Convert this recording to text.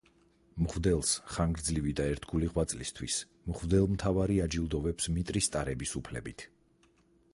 მღვდელს ხანგრძლივი და ერთგული ღვაწლისთვის, მღვდელმთავარი აჯილდოვებს მიტრის ტარების უფლებით.